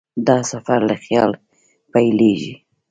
دا سفر له خیال پیلېږي.